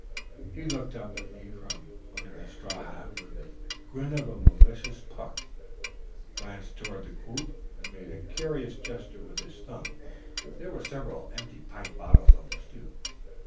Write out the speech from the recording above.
He looked up at me from under his straw hat with the grin of a malicious Puck, glanced toward the group, and made a curious gesture with his thumb. There were several empty pint bottles on the stoop.